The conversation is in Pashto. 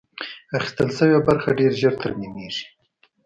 اخیستل شوې برخه ډېر ژر ترمیمېږي.